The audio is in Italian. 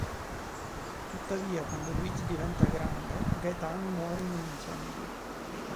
Tuttavia, quando Luigi diventa grande, Gaetano muore in un incendio.